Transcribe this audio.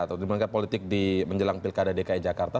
atau dinamika politik di menjelang pilkada dki jakarta